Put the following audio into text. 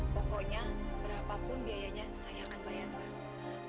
pokoknya berapapun biayanya saya akan bayar pak